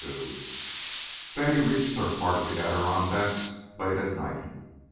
II Betty reached her part of the Adirondacks late at night.